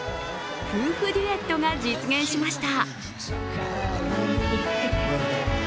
夫婦デュエットが実現しました。